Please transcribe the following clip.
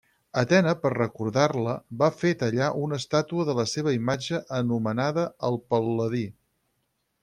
Atena per recordar-la va fer tallar una estàtua de la seva imatge anomenada el Pal·ladi.